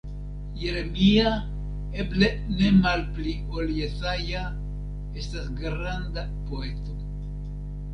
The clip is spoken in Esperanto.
Jeremia, eble ne malpli ol Jesaja, estas granda poeto.